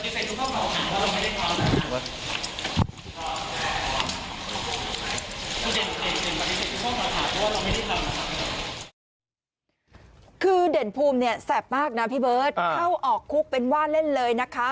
คือเด่นภูมิเนี่ยแสบมากนะพี่เบิร์ตเข้าออกคุกเป็นว่าเล่นเลยนะคะ